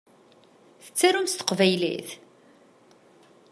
Tettarum s teqbaylit?